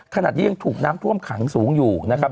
ขณะนี้ยังถูกน้ำท่วมขังสูงอยู่นะครับ